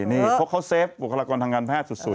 นี่เพราะเขาเซฟบุคลากรทางการแพทย์สุด